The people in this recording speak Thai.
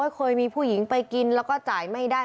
เคยมีผู้หญิงไปกินแล้วก็จ่ายไม่ได้